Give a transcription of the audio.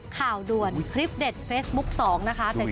ข่าวด่วนคลิปเด็ดเฟซบุ๊ค๒นะคะแต่โชคดีค่ะ